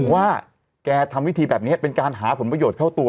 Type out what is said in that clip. ว่าแกทำวิธีแบบนี้เป็นการหาผลประโยชน์เข้าตัว